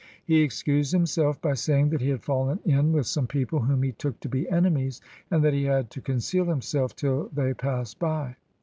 He excused himself by saying that he had fallen in with some people whom he took to be enemies, and that he had to conceal himself till they passed by.